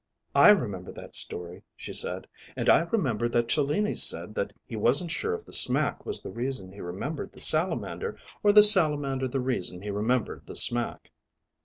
"I remember that story," she said. "And I remember that Cellini said that he wasn't sure if the smack was the reason he remembered the Salamander, or the Salamander the reason he remembered the smack."